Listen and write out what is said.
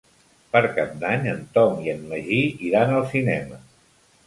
Per Cap d'Any en Tom i en Magí iran al cinema.